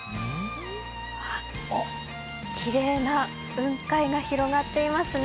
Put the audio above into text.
きれいな雲海が広がっていますね。